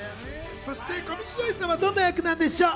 上白石さんはどんな役なんでしょう？